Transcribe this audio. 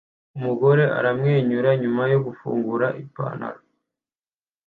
Umugore aramwenyura nyuma yo gufungura impano